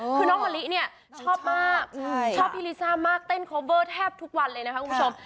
คือน้องมะลิเนี่ยชอบมากชอบพี่ลิซ่ามากเต้นโคเวอร์แทบทุกวันเลยนะคะคุณผู้ชม